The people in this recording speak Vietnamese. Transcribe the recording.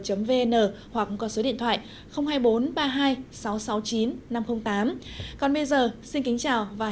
còn bây giờ xin kính chào và hẹn gặp lại quý vị và các bạn trong các chương trình lần sau